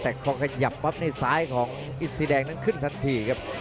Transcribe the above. แต่พอขยับปั๊บนี่ซ้ายของอินซีแดงนั้นขึ้นทันทีครับ